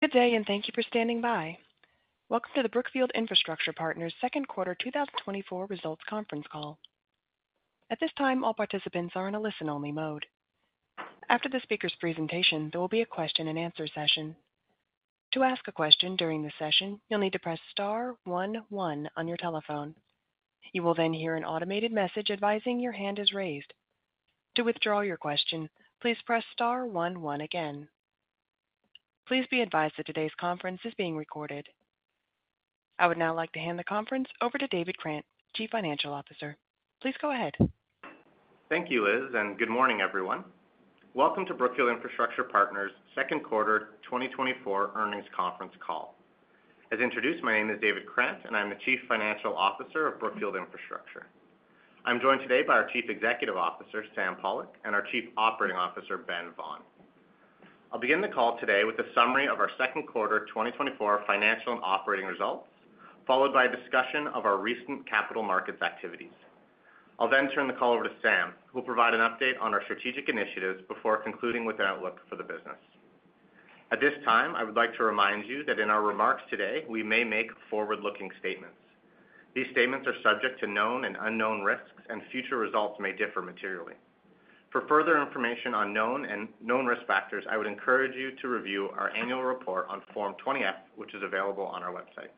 Good day, and thank you for standing by. Welcome to the Brookfield Infrastructure Partners' Q2 2024 results conference call. At this time, all participants are in a listen-only mode. After the speaker's presentation, there will be a question-and-answer session. To ask a question during the session, you'll need to press star 11 on your telephone. You will then hear an automated message advising your hand is raised. To withdraw your question, please press star 11 again. Please be advised that today's conference is being recorded. I would now like to hand the conference over to David Krant, Chief Financial Officer. Please go ahead. Thank you, Liz, and good morning, everyone. Welcome to Brookfield Infrastructure Partners' Q2 2024 earnings conference call. As introduced, my name is David Krant, and I'm the Chief Financial Officer of Brookfield Infrastructure. I'm joined today by our Chief Executive Officer, Sam Pollock, and our Chief Operating Officer, Ben Vaughan. I'll begin the call today with a summary of our Q2 2024 financial and operating results, followed by a discussion of our recent capital markets activities. I'll then turn the call over to Sam, who will provide an update on our strategic initiatives before concluding with an outlook for the business. At this time, I would like to remind you that in our remarks today, we may make forward-looking statements. These statements are subject to known and unknown risks, and future results may differ materially. For further information on known and unknown risk factors, I would encourage you to review our annual report on Form 20-F, which is available on our website.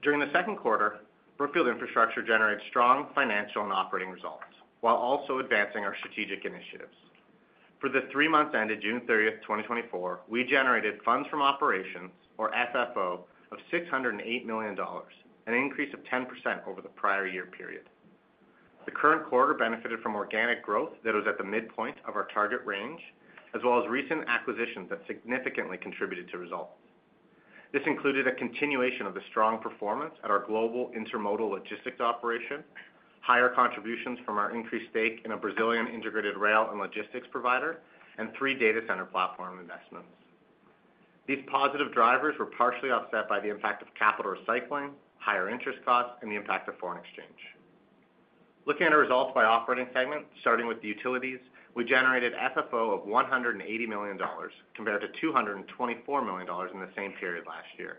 During the Q2, Brookfield Infrastructure generated strong financial and operating results while also advancing our strategic initiatives. For the three months ended June 30, 2024, we generated funds from operations, or FFO, of $608 million, an increase of 10% over the prior year period. The current quarter benefited from organic growth that was at the midpoint of our target range, as well as recent acquisitions that significantly contributed to results. This included a continuation of the strong performance at our global intermodal logistics operation, higher contributions from our increased stake in a Brazilian integrated rail and logistics provider, and three data center platform investments. These positive drivers were partially offset by the impact of capital recycling, higher interest costs, and the impact of foreign exchange. Looking at our results by operating segment, starting with the utilities, we generated FFO of $180 million compared to $224 million in the same period last year.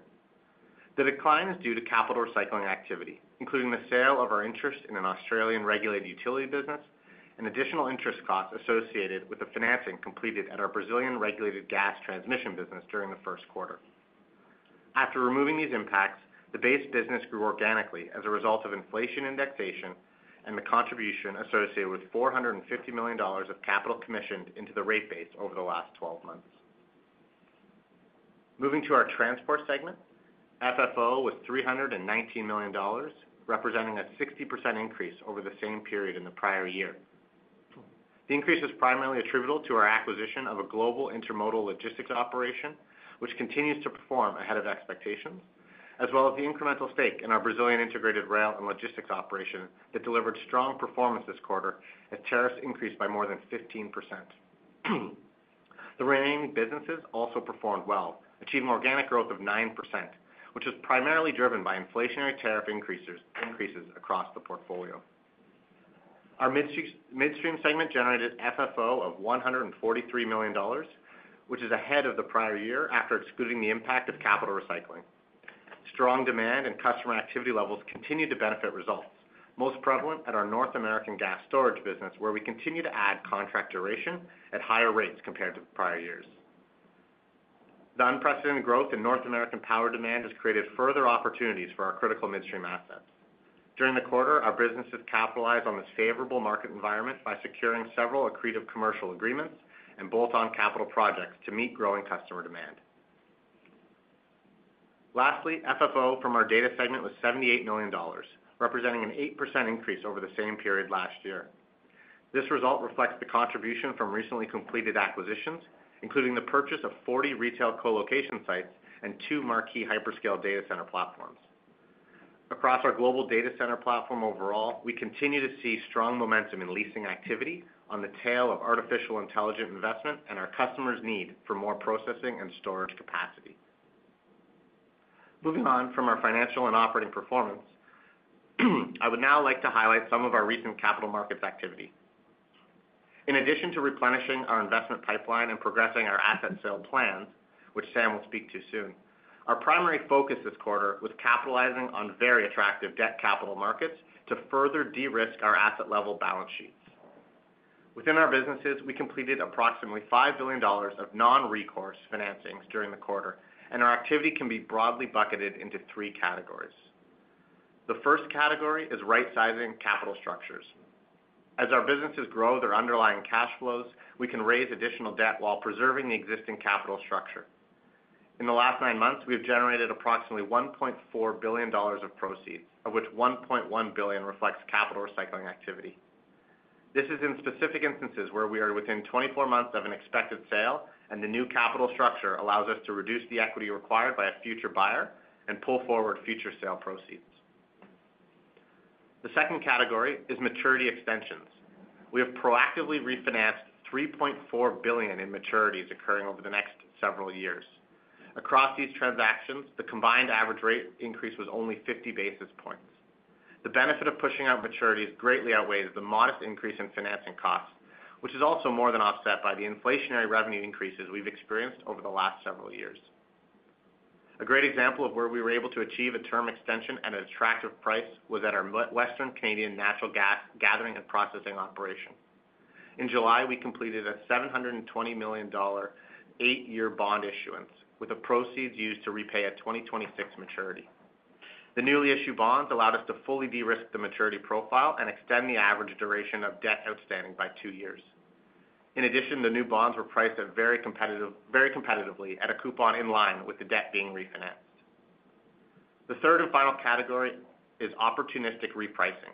The decline is due to capital recycling activity, including the sale of our interest in an Australian-regulated utility business and additional interest costs associated with the financing completed at our Brazilian-regulated gas transmission business during the Q1. After removing these impacts, the base business grew organically as a result of inflation indexation and the contribution associated with $450 million of capital commissioned into the rate base over the last 12 months. Moving to our transport segment, FFO was $319 million, representing a 60% increase over the same period in the prior year. The increase was primarily attributable to our acquisition of a global intermodal logistics operation, which continues to perform ahead of expectations, as well as the incremental stake in our Brazilian integrated rail and logistics operation that delivered strong performance this quarter as tariffs increased by more than 15%. The remaining businesses also performed well, achieving organic growth of 9%, which was primarily driven by inflationary tariff increases across the portfolio. Our midstream segment generated FFO of $143 million, which is ahead of the prior year after excluding the impact of capital recycling. Strong demand and customer activity levels continue to benefit results, most prevalent at our North American gas storage business, where we continue to add contract duration at higher rates compared to prior years. The unprecedented growth in North American power demand has created further opportunities for our critical midstream assets. During the quarter, our businesses capitalized on this favorable market environment by securing several accretive commercial agreements and bolt-on capital projects to meet growing customer demand. Lastly, FFO from our data segment was $78 million, representing an 8% increase over the same period last year. This result reflects the contribution from recently completed acquisitions, including the purchase of 40 retail co-location sites and 2 marquee hyperscale data center platforms. Across our global data center platform overall, we continue to see strong momentum in leasing activity on the tail of artificial intelligence investment and our customers' need for more processing and storage capacity. Moving on from our financial and operating performance, I would now like to highlight some of our recent capital markets activity. In addition to replenishing our investment pipeline and progressing our asset sale plans, which Sam will speak to soon, our primary focus this quarter was capitalizing on very attractive debt capital markets to further de-risk our asset-level balance sheets. Within our businesses, we completed approximately $5 billion of non-recourse financings during the quarter, and our activity can be broadly bucketed into three categories. The first category is right-sizing capital structures. As our businesses grow their underlying cash flows, we can raise additional debt while preserving the existing capital structure. In the last nine months, we have generated approximately $1.4 billion of proceeds, of which $1.1 billion reflects capital recycling activity. This is in specific instances where we are within 24 months of an expected sale, and the new capital structure allows us to reduce the equity required by a future buyer and pull forward future sale proceeds. The second category is maturity extensions. We have proactively refinanced $3.4 billion in maturities occurring over the next several years. Across these transactions, the combined average rate increase was only 50 basis points. The benefit of pushing out maturities greatly outweighs the modest increase in financing costs, which is also more than offset by the inflationary revenue increases we've experienced over the last several years. A great example of where we were able to achieve a term extension at an attractive price was at our Western Canadian natural gas gathering and processing operation. In July, we completed a $720 million eight-year bond issuance with the proceeds used to repay a 2026 maturity. The newly issued bonds allowed us to fully de-risk the maturity profile and extend the average duration of debt outstanding by two years. In addition, the new bonds were priced very competitively at a coupon in line with the debt being refinanced. The third and final category is opportunistic repricing.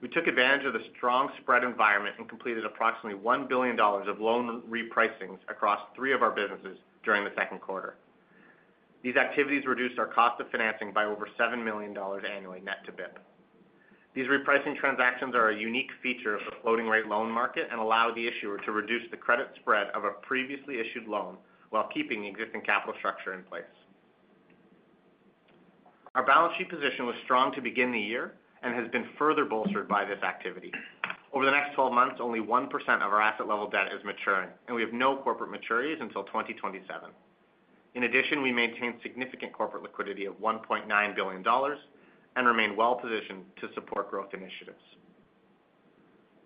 We took advantage of the strong spread environment and completed approximately $1 billion of loan repricing across three of our businesses during the Q2. These activities reduced our cost of financing by over $7 million annually net to BIP. These repricing transactions are a unique feature of the floating-rate loan market and allow the issuer to reduce the credit spread of a previously issued loan while keeping the existing capital structure in place. Our balance sheet position was strong to begin the year and has been further bolstered by this activity. Over the next 12 months, only 1% of our asset-level debt is maturing, and we have no corporate maturities until 2027. In addition, we maintain significant corporate liquidity of $1.9 billion and remain well-positioned to support growth initiatives.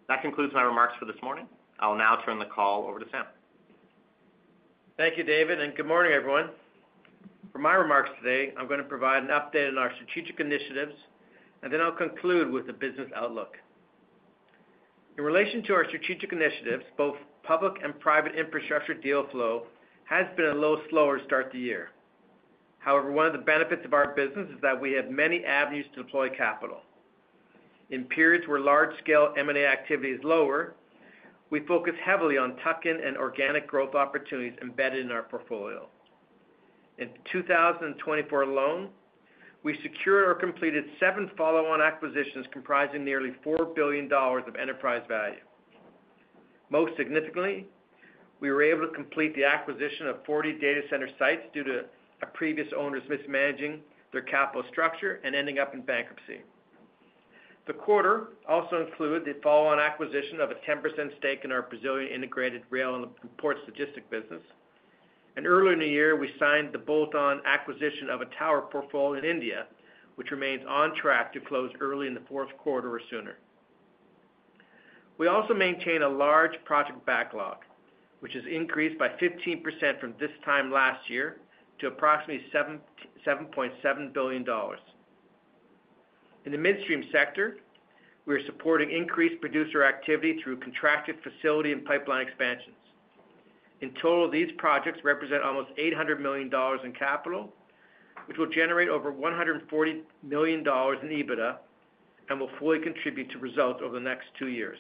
That concludes my remarks for this morning. I'll now turn the call over to Sam. Thank you, David, and good morning, everyone. For my remarks today, I'm going to provide an update on our strategic initiatives, and then I'll conclude with a business outlook. In relation to our strategic initiatives, both public and private infrastructure deal flow has been a little slower to start the year. However, one of the benefits of our business is that we have many avenues to deploy capital. In periods where large-scale M&A activity is lower, we focus heavily on tuck-in and organic growth opportunities embedded in our portfolio. In 2024 alone, we secured or completed seven follow-on acquisitions comprising nearly $4 billion of enterprise value. Most significantly, we were able to complete the acquisition of 40 data center sites due to a previous owner's mismanaging their capital structure and ending up in bankruptcy. The quarter also included the follow-on acquisition of a 10% stake in our Brazilian integrated rail and port logistics business. Earlier in the year, we signed the bolt-on acquisition of a tower portfolio in India, which remains on track to close early in the Q4 or sooner. We also maintain a large project backlog, which has increased by 15% from this time last year to approximately $7.7 billion. In the midstream sector, we are supporting increased producer activity through contracted facility and pipeline expansions. In total, these projects represent almost $800 million in capital, which will generate over $140 million in EBITDA and will fully contribute to results over the next two years.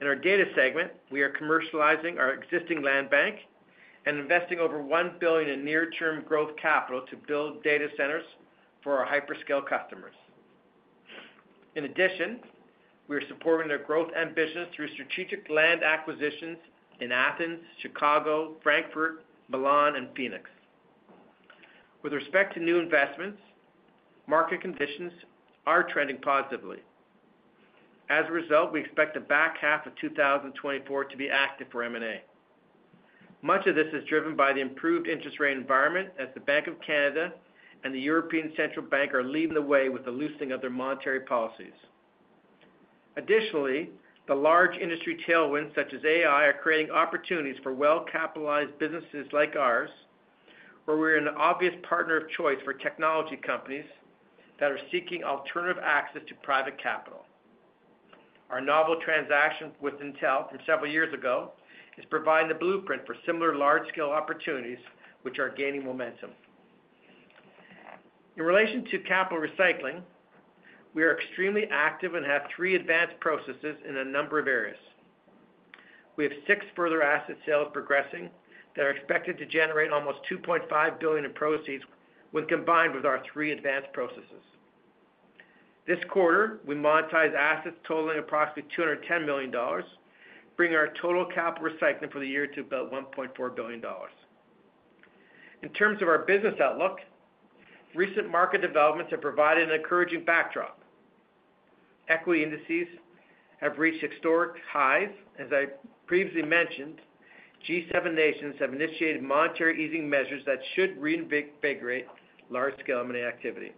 In our data segment, we are commercializing our existing land bank and investing over $1 billion in near-term growth capital to build data centers for our hyperscale customers. In addition, we are supporting their growth ambitions through strategic land acquisitions in Athens, Chicago, Frankfurt, Milan, and Phoenix. With respect to new investments, market conditions are trending positively. As a result, we expect the back half of 2024 to be active for M&A. Much of this is driven by the improved interest rate environment as the Bank of Canada and the European Central Bank are leading the way with the loosening of their monetary policies. Additionally, the large industry tailwinds such as AI are creating opportunities for well-capitalized businesses like ours, where we're an obvious partner of choice for technology companies that are seeking alternative access to private capital. Our novel transaction with Intel from several years ago is providing the blueprint for similar large-scale opportunities, which are gaining momentum. In relation to capital recycling, we are extremely active and have three advanced processes in a number of areas. We have six further asset sales progressing that are expected to generate almost $2.5 billion in proceeds when combined with our three advanced processes. This quarter, we monetize assets totaling approximately $210 million, bringing our total capital recycling for the year to about $1.4 billion. In terms of our business outlook, recent market developments have provided an encouraging backdrop. Equity indices have reached historic highs. As I previously mentioned, G7 nations have initiated monetary easing measures that should reinvigorate large-scale M&A activity.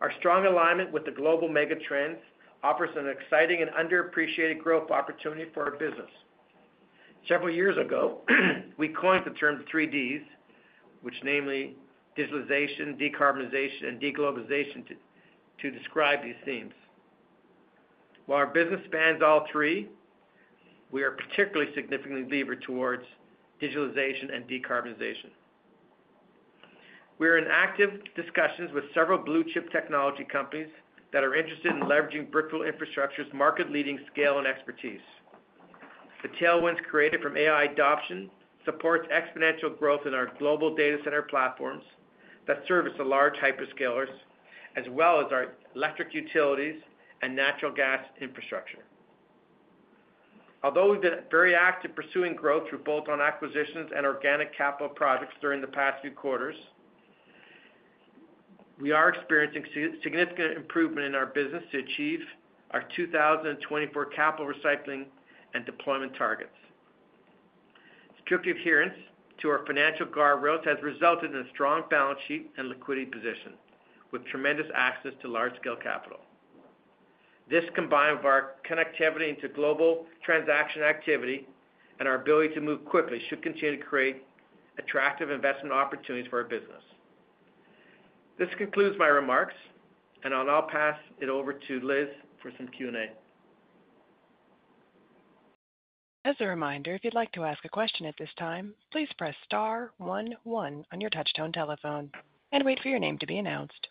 Our strong alignment with the global mega trends offers an exciting and underappreciated growth opportunity for our business. Several years ago, we coined the term 3Ds, which, namely, digitalization, decarbonization, and deglobalization to describe these themes. While our business spans all three, we are particularly significantly leaning towards digitalization and decarbonization. We are in active discussions with several blue-chip technology companies that are interested in leveraging Brookfield Infrastructure's market-leading scale and expertise. The tailwinds created from AI adoption support exponential growth in our global data center platforms that service the large hyperscalers, as well as our electric utilities and natural gas infrastructure. Although we've been very active pursuing growth through bolt-on acquisitions and organic capital projects during the past few quarters, we are experiencing significant improvement in our business to achieve our 2024 capital recycling and deployment targets. Strict adherence to our financial guardrails has resulted in a strong balance sheet and liquidity position with tremendous access to large-scale capital. This combined with our connectivity into global transaction activity and our ability to move quickly should continue to create attractive investment opportunities for our business. This concludes my remarks, and I'll now pass it over to Liz for some Q&A. As a reminder, if you'd like to ask a question at this time, please press star 11 on your touch-tone telephone and wait for your name to be announced.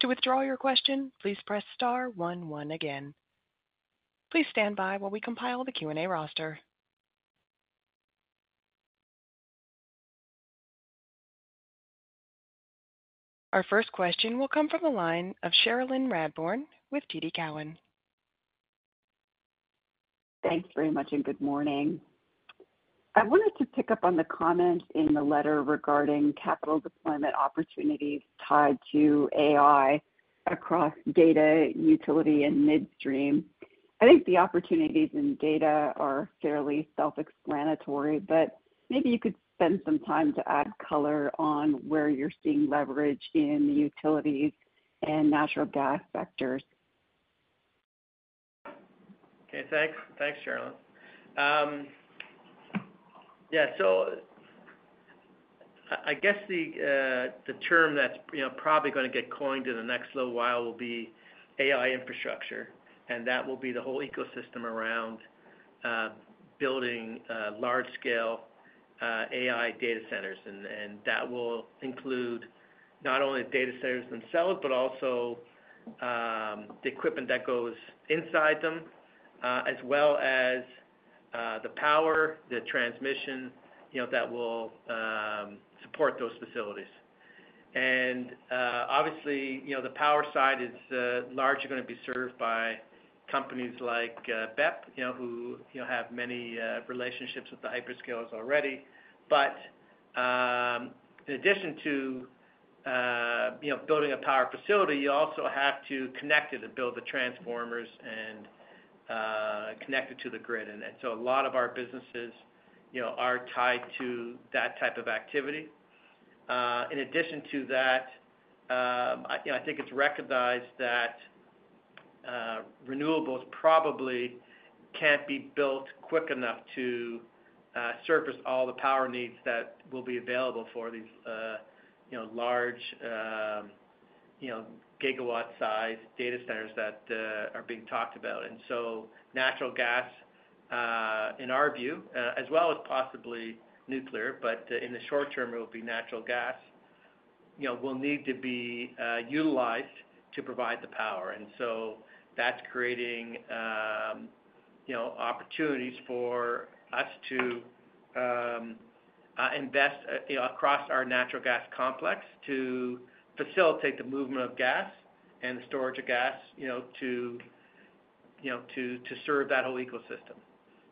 To withdraw your question, please press star 11 again. Please stand by while we compile the Q&A roster. Our first question will come from the line of Cherilyn Radbourne with TD Cowen. Thanks very much and good morning. I wanted to pick up on the comments in the letter regarding capital deployment opportunities tied to AI across data, utility, and midstream. I think the opportunities in data are fairly self-explanatory, but maybe you could spend some time to add color on where you're seeing leverage in the utilities and natural gas sectors. Okay, thanks. Thanks, Cherilyn. Yeah, so I guess the term that's probably going to get coined in the next little while will be AI infrastructure, and that will be the whole ecosystem around building large-scale AI data centers. And that will include not only the data centers themselves, but also the equipment that goes inside them, as well as the power, the transmission that will support those facilities. And obviously, the power side is largely going to be served by companies like BEP, who have many relationships with the hyperscalers already. But in addition to building a power facility, you also have to connect it and build the transformers and connect it to the grid. And so a lot of our businesses are tied to that type of activity. In addition to that, I think it's recognized that renewables probably can't be built quick enough to service all the power needs that will be available for these large gigawatt-sized data centers that are being talked about. And so natural gas, in our view, as well as possibly nuclear, but in the short term, it will be natural gas, will need to be utilized to provide the power. And so that's creating opportunities for us to invest across our natural gas complex to facilitate the movement of gas and the storage of gas to serve that whole ecosystem.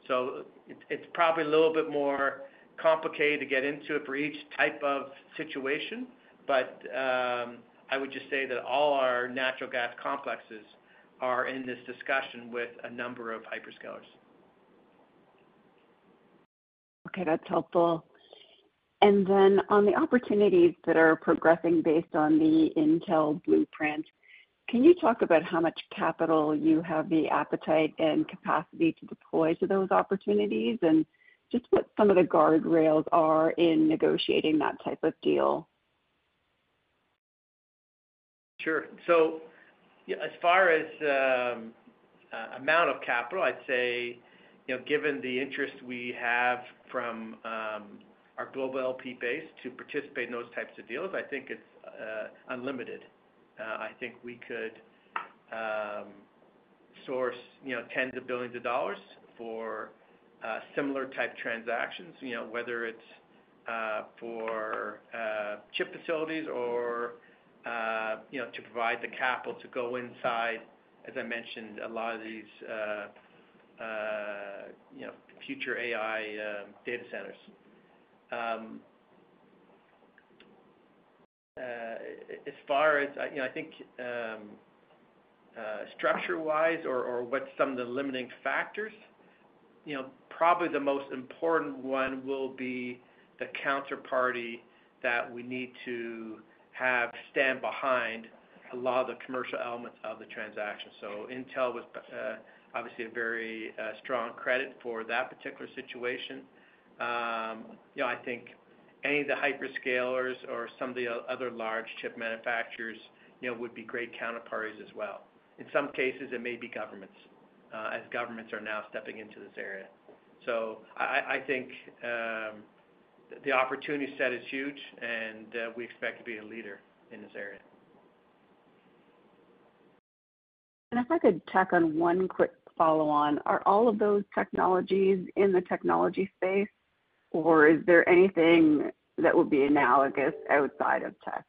So it's probably a little bit more complicated to get into it for each type of situation, but I would just say that all our natural gas complexes are in this discussion with a number of hyperscalers. Okay, that's helpful. And then on the opportunities that are progressing based on the Intel blueprint, can you talk about how much capital you have the appetite and capacity to deploy to those opportunities and just what some of the guardrails are in negotiating that type of deal? Sure. So as far as the amount of capital, I'd say given the interest we have from our global LP base to participate in those types of deals, I think it's unlimited. I think we could source tens of $ billions for similar type transactions, whether it's for chip facilities or to provide the capital to go inside, as I mentioned, a lot of these future AI data centers. As far as I think structure-wise or what some of the limiting factors, probably the most important one will be the counterparty that we need to have stand behind a lot of the commercial elements of the transaction. So Intel was obviously a very strong credit for that particular situation. I think any of the hyperscalers or some of the other large chip manufacturers would be great counterparties as well. In some cases, it may be governments, as governments are now stepping into this area. I think the opportunity set is huge, and we expect to be a leader in this area. If I could tack on one quick follow-on, are all of those technologies in the technology space, or is there anything that would be analogous outside of tech?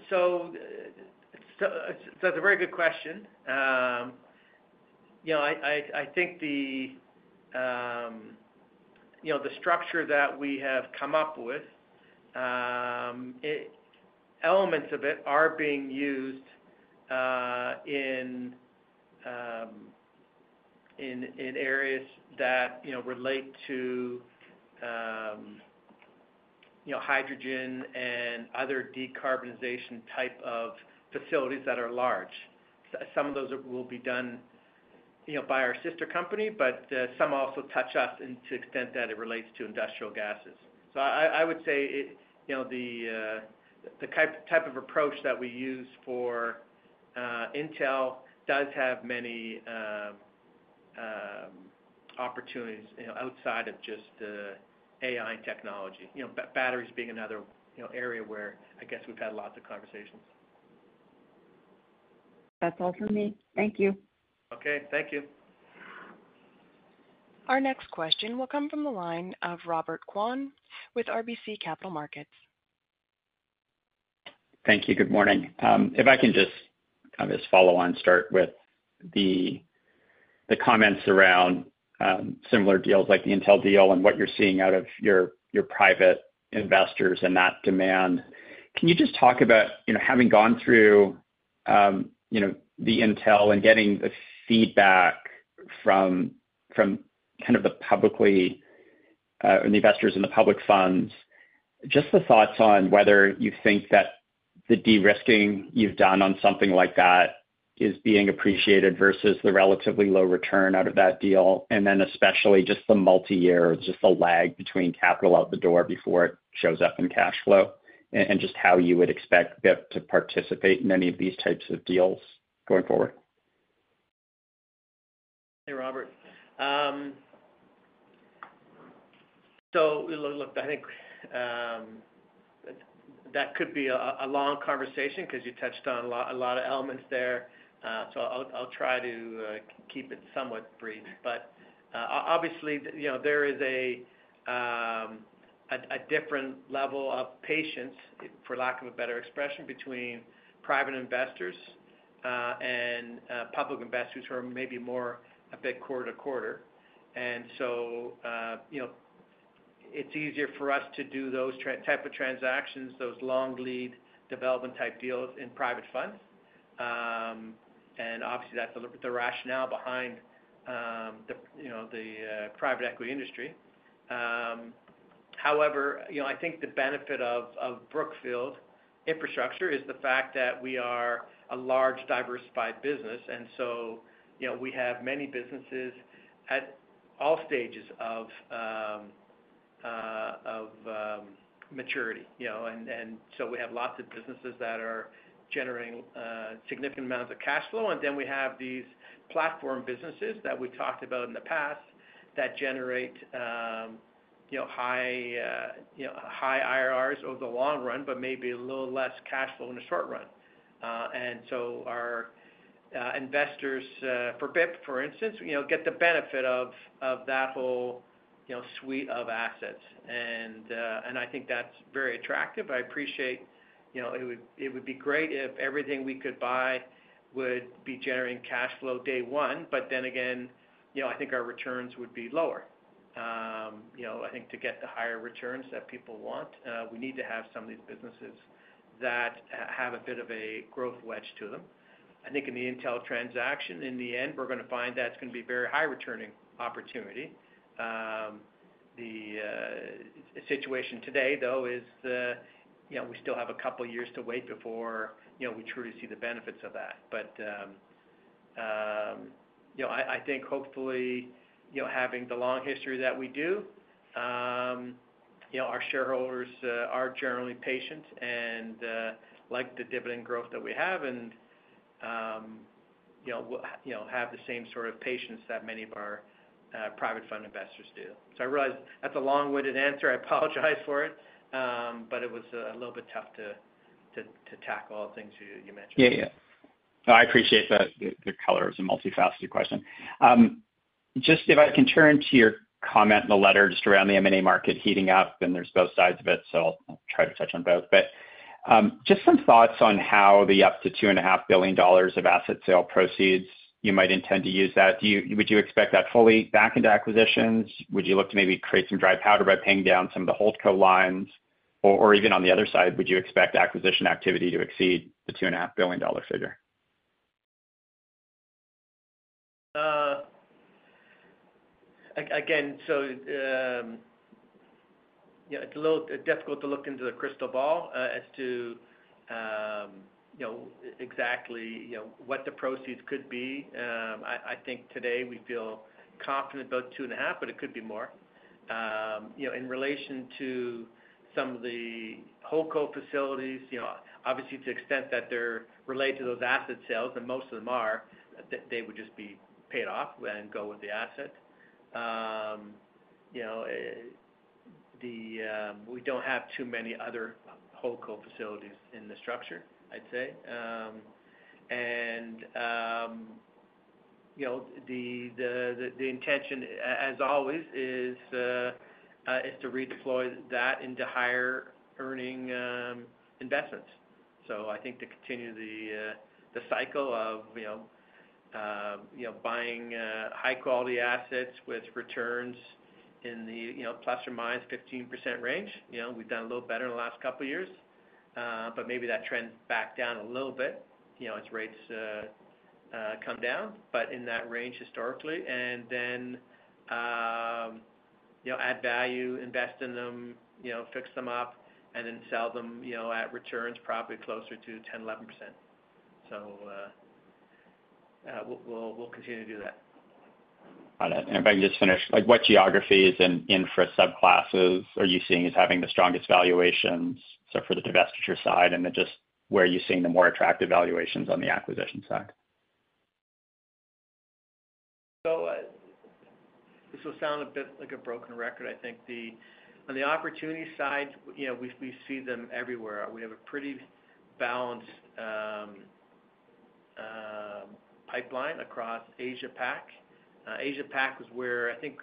That's a very good question. I think the structure that we have come up with, elements of it are being used in areas that relate to hydrogen and other decarbonization type of facilities that are large. Some of those will be done by our sister company, but some also touch us to the extent that it relates to industrial gases. So I would say the type of approach that we use for Intel does have many opportunities outside of just AI technology, batteries being another area where I guess we've had lots of conversations. That's all for me. Thank you. Okay, thank you. Our next question will come from the line of Robert kwan with RBC Capital Markets. Thank you. Good morning. If I can just kind of just follow on, start with the comments around similar deals like the Intel deal and what you're seeing out of your private investors and that demand. Can you just talk about having gone through the Intel and getting the feedback from kind of the publicly or the investors in the public funds, just the thoughts on whether you think that the de-risking you've done on something like that is being appreciated versus the relatively low return out of that deal, and then especially just the multi-year, just the lag between capital out the door before it shows up in cash flow, and just how you would expect BEPS to participate in any of these types of deals going forward? Hey, Robert. So look, I think that could be a long conversation because you touched on a lot of elements there. So I'll try to keep it somewhat brief. But obviously, there is a different level of patience, for lack of a better expression, between private investors and public investors who are maybe more a bit quarter to quarter. And so it's easier for us to do those type of transactions, those long lead development type deals in private funds. And obviously, that's the rationale behind the private equity industry. However, I think the benefit of Brookfield Infrastructure is the fact that we are a large diversified business. And so we have many businesses at all stages of maturity. And so we have lots of businesses that are generating significant amounts of cash flow. Then we have these platform businesses that we talked about in the past that generate high IRRs over the long run, but maybe a little less cash flow in the short run. And so our investors for BEPS, for instance, get the benefit of that whole suite of assets. And I think that's very attractive. I appreciate it would be great if everything we could buy would be generating cash flow day one, but then again, I think our returns would be lower. I think to get the higher returns that people want, we need to have some of these businesses that have a bit of a growth wedge to them. I think in the Intel transaction, in the end, we're going to find that's going to be a very high returning opportunity. The situation today, though, is we still have a couple of years to wait before we truly see the benefits of that. But I think hopefully, having the long history that we do, our shareholders are generally patient and like the dividend growth that we have and have the same sort of patience that many of our private fund investors do. So I realize that's a long-winded answer. I apologize for it, but it was a little bit tough to tackle all the things you mentioned. Yeah. No, I appreciate the colors and multifaceted question. Just if I can turn to your comment in the letter just around the M&A market heating up, and there's both sides of it, so I'll try to touch on both. But just some thoughts on how the up to $2.5 billion of asset sale proceeds you might intend to use that. Would you expect that fully back into acquisitions? Would you look to maybe create some dry powder by paying down some of the hold co lines? Or even on the other side, would you expect acquisition activity to exceed the $2.5 billion figure? Again, so it's difficult to look into the crystal ball as to exactly what the proceeds could be. I think today we feel confident about $2.5, but it could be more. In relation to some of the hold co facilities, obviously, to the extent that they're related to those asset sales, and most of them are, they would just be paid off and go with the asset. We don't have too many other hold co facilities in the structure, I'd say. And the intention, as always, is to redeploy that into higher earning investments. So I think to continue the cycle of buying high-quality assets with returns in the ±15% range. We've done a little better in the last couple of years, but maybe that trend backed down a little bit as rates come down, but in that range historically. Add value, invest in them, fix them up, and then sell them at returns probably closer to 10%-11%. We'll continue to do that. Got it. And if I can just finish, what geographies and infra subclasses are you seeing as having the strongest valuations? So for the divestiture side and then just where you're seeing the more attractive valuations on the acquisition side? So this will sound a bit like a broken record. I think on the opportunity side, we see them everywhere. We have a pretty balanced pipeline across Asia-Pac. Asia-Pac was where I think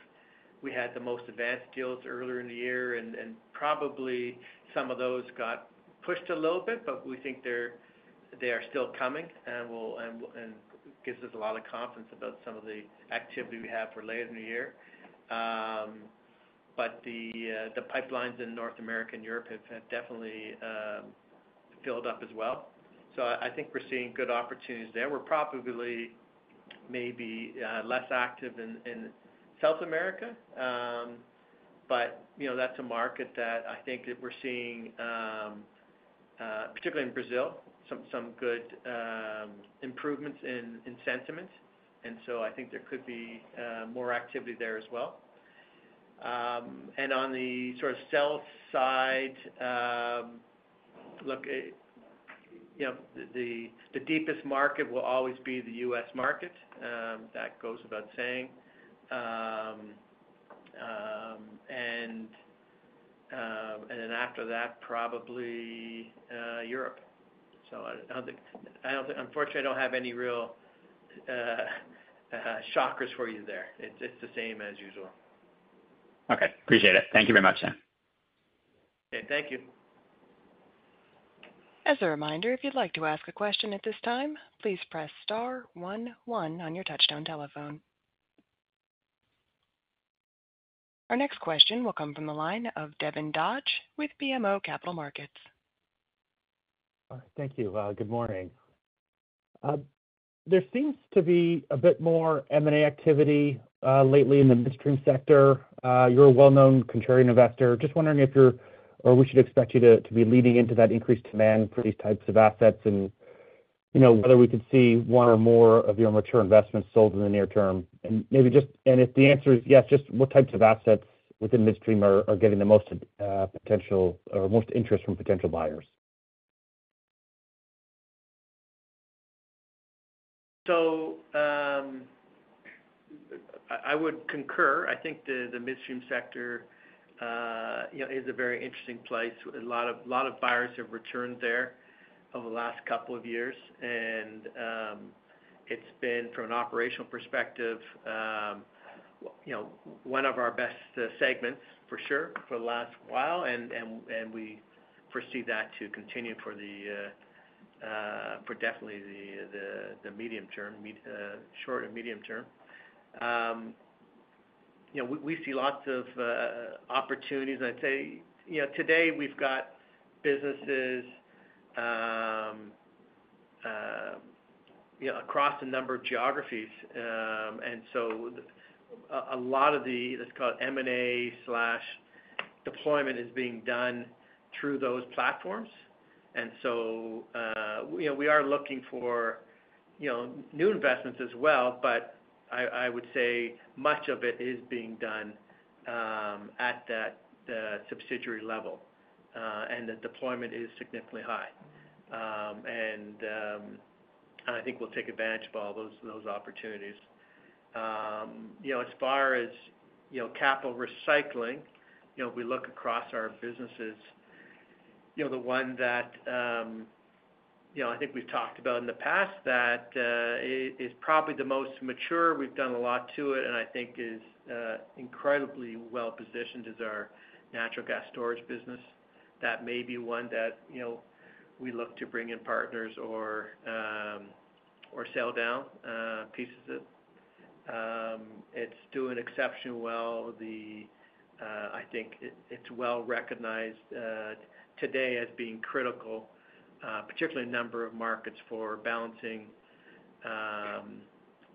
we had the most advanced deals earlier in the year, and probably some of those got pushed a little bit, but we think they are still coming and gives us a lot of confidence about some of the activity we have for later in the year. But the pipelines in North America and Europe have definitely filled up as well. So I think we're seeing good opportunities there. We're probably maybe less active in South America, but that's a market that I think that we're seeing, particularly in Brazil, some good improvements in sentiment. And so I think there could be more activity there as well. On the sort of sell side, look, the deepest market will always be the U.S. market. That goes without saying. Then after that, probably Europe. Unfortunately, I don't have any real shockers for you there. It's the same as usual. Okay. Appreciate it. Thank you very much, Sam. Okay. Thank you. As a reminder, if you'd like to ask a question at this time, please press star one one on your touch-tone telephone. Our next question will come from the line of Devin Dodge with BMO Capital Markets. Thank you. Good morning. There seems to be a bit more M&A activity lately in the midstream sector. You're a well-known contrarian investor. Just wondering if we should expect you to be leading into that increased demand for these types of assets and whether we could see one or more of your mature investments sold in the near term. If the answer is yes, just what types of assets within midstream are getting the most potential or most interest from potential buyers? So I would concur. I think the midstream sector is a very interesting place. A lot of buyers have returned there over the last couple of years. And it's been, from an operational perspective, one of our best segments for sure for the last while. And we foresee that to continue for definitely the medium term, short and medium term. We see lots of opportunities. I'd say today we've got businesses across a number of geographies. And so a lot of the, let's call it M&A/deployment is being done through those platforms. And so we are looking for new investments as well, but I would say much of it is being done at that subsidiary level. And the deployment is significantly high. And I think we'll take advantage of all those opportunities. As far as capital recycling, we look across our businesses. The one that I think we've talked about in the past that is probably the most mature, we've done a lot to it, and I think is incredibly well-positioned is our natural gas storage business. That may be one that we look to bring in partners or sell down pieces of. It's doing exceptionally well. I think it's well recognized today as being critical, particularly a number of markets for balancing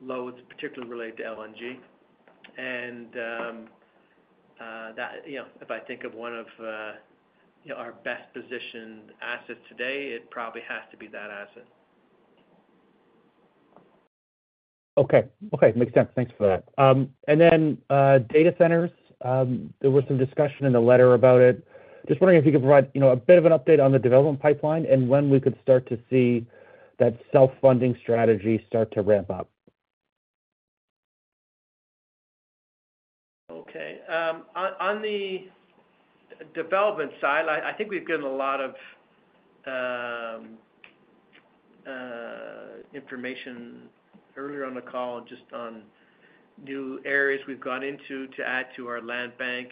loads, particularly related to LNG. And if I think of one of our best-positioned assets today, it probably has to be that asset. Okay. Makes sense. Thanks for that. And then data centers, there was some discussion in the letter about it. Just wondering if you could provide a bit of an update on the development pipeline and when we could start to see that self-funding strategy start to ramp up. Okay. On the development side, I think we've gotten a lot of information earlier on the call and just on new areas we've gone into to add to our land bank.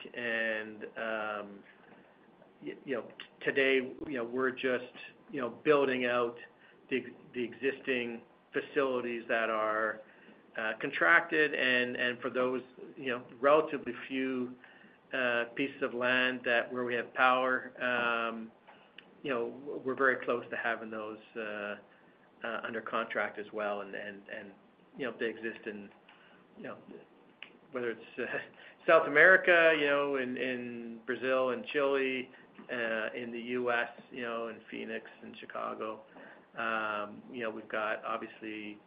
Today, we're just building out the existing facilities that are contracted. For those relatively few pieces of land where we have power, we're very close to having those under contract as well. They exist, whether it's South America, in Brazil and Chile, in the U.S., in Phoenix, in Chicago. We've got, obviously,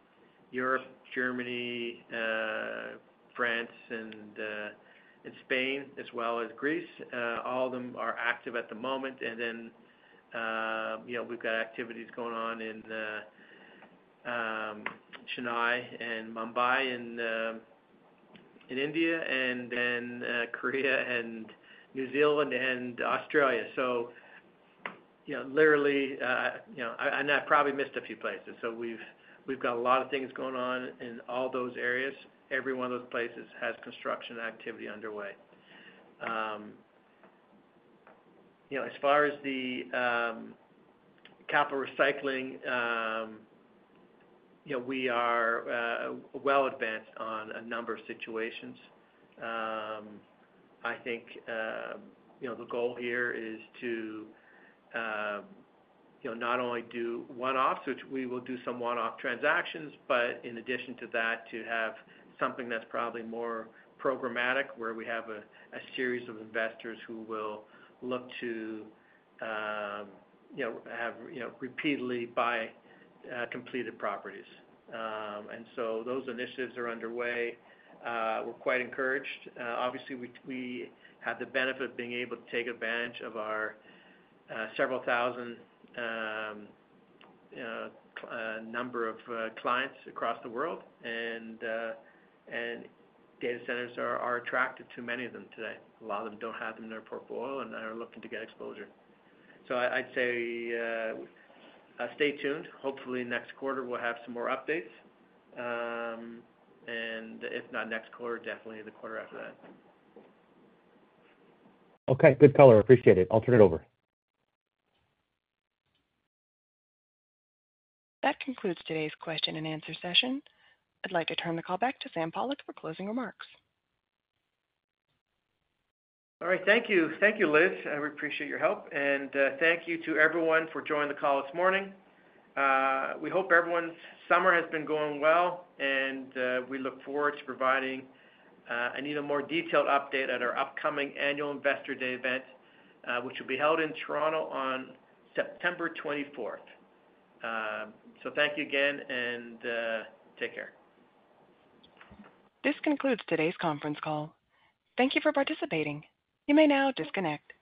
Europe, Germany, France, and Spain, as well as Greece. All of them are active at the moment. Then we've got activities going on in Chennai and Mumbai and India and then Korea and New Zealand and Australia. So literally, and I probably missed a few places. So we've got a lot of things going on in all those areas. Every one of those places has construction activity underway. As far as the capital recycling, we are well advanced on a number of situations. I think the goal here is to not only do one-offs, which we will do some one-off transactions, but in addition to that, to have something that's probably more programmatic where we have a series of investors who will look to have repeatedly buy completed properties. And so those initiatives are underway. We're quite encouraged. Obviously, we have the benefit of being able to take advantage of our several thousand number of clients across the world. And data centers are attractive to many of them today. A lot of them don't have them in their portfolio and are looking to get exposure. So I'd say stay tuned. Hopefully, next quarter, we'll have some more updates. And if not next quarter, definitely the quarter after that. Okay. Good color. Appreciate it. I'll turn it over. That concludes today's Q&A session. I'd like to turn the call back to Sam Pollock for closing remarks. All right. Thank you. Thank you, Liz. I appreciate your help. Thank you to everyone for joining the call this morning. We hope everyone's summer has been going well, and we look forward to providing an even more detailed update at our upcoming Annual Investor Day event, which will be held in Toronto on September 24th. Thank you again and take care. This concludes today's conference call. Thank you for participating. You may now disconnect.